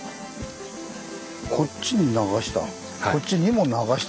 こっちに流した。